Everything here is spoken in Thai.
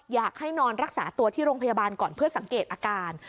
อยากให้นอนรักษาตัวที่โรงพยาบาลก่อนเพื่อสังเกตอาการ